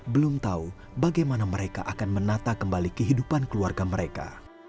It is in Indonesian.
belum tahu bagaimana mereka akan menata kembali kehidupan keluarga mereka